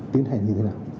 tiến hành như thế nào